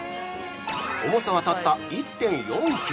重さはたった１．４キロ！